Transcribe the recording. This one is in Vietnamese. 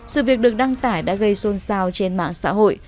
sự việc được đăng tải đã gây xôn xao trên mạng xã hội